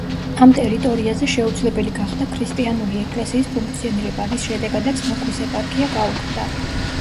ამ ტერიტორიაზე შეუძლებელი გახდა ქრისტიანული ეკლესიის ფუნქციონირება, რის შედეგადაც მოქვის ეპარქია გაუქმდა.